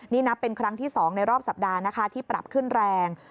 นี่นับเป็นครั้งที่๒ในรอบสัปดาห์นะคะที่ปรับขึ้นแรง